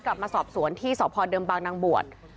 กลับมาสอบสวนที่สพเดิมบางนางบวช